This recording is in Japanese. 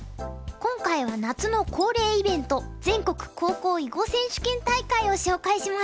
今回は夏の恒例イベント全国高校囲碁選手権大会を紹介します。